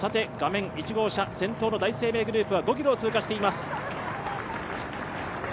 １号車第一生命グループは５ｋｍを通過しています。